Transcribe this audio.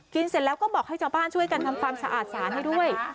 เสร็จแล้วก็บอกให้ชาวบ้านช่วยกันทำความสะอาดสารให้ด้วย